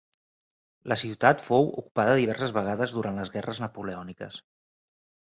La ciutat fou ocupada diverses vegades durant les Guerres Napoleòniques.